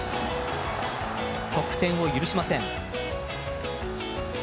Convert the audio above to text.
得点を許しません。